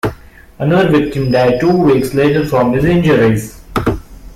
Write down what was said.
Another victim died two weeks later from his injuries.